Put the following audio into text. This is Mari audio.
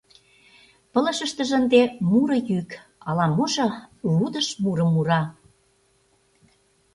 Пылышыштыже ынде муро йӱк, «ала-можо» лудыш мурым мура: